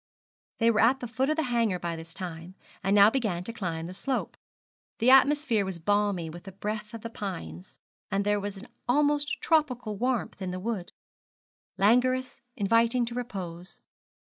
They were at the foot of the hanger by this time, and now began to climb the slope. The atmosphere was balmy with the breath of the pines, and there was an almost tropical warmth in the wood languorous, inviting to repose.